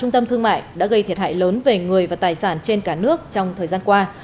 trung tâm thương mại đã gây thiệt hại lớn về người và tài sản trên cả nước trong thời gian qua